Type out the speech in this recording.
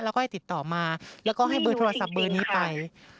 แล้วก็ให้ติดต่อมาแล้วก็ให้เบอร์โทรศัพท์เบอร์นี้ไป